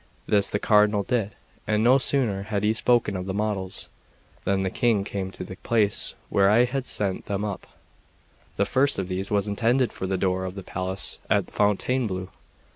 This the Cardinal did; and no sooner had he spoken of the models, than the King came to the place where I had set them up. The first of these was intended for the door of the palace at Fontainebleau.